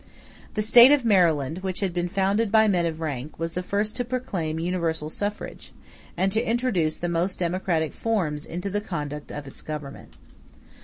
The State of Maryland, which had been founded by men of rank, was the first to proclaim universal suffrage, and to introduce the most democratic forms into the conduct of its government.